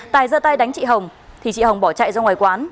tài ra tay đánh chị hồng thì chị hồng bỏ chạy ra ngoài quán